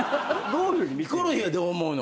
ヒコロヒーはどう思うの？